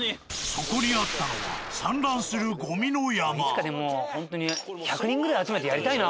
そこにあったのはいつかでもほんとに１００人ぐらい集めてやりたいな。